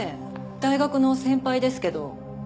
大学の先輩ですけど。